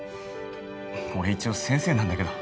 俺一応先生なんだけど。